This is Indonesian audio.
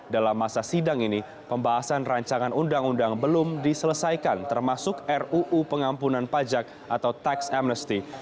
dalam masa sidang ini pembahasan rancangan undang undang belum diselesaikan termasuk ruu pengampunan pajak atau tax amnesty